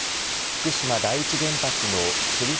福島第一原発の処理